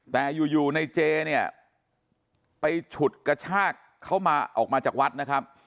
แต่อยู่ในเจเนี่ยไปฉุดกระชากเขามาออกมาจากวัดนะครับ